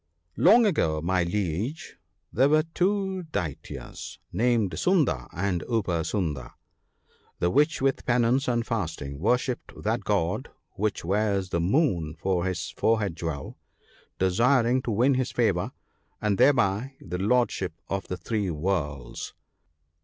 ONG ago, my Liege, there were two Daityas named Sunda and Upasunda, the which with penance and fasting worshipped that God who wears the moon ( 102 ) for his fore head jewel ; desiring to win his favour, and thereby the lordship of the Three Worlds.